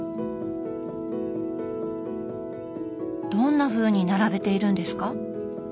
どんなふうに並べているんですか？